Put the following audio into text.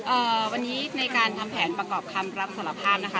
เอ่อวันนี้ในการทำแผนประกอบคำรับสารภาพนะคะ